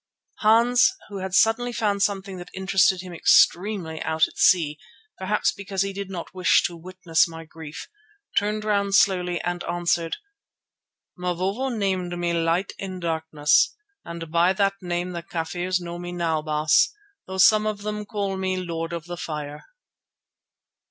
Hans, who had suddenly found something that interested him extremely out at sea, perhaps because he did not wish to witness my grief, turned round slowly and answered: "Mavovo named me Light in Darkness, and by that name the Kafirs know me now, Baas, though some of them call me Lord of the Fire."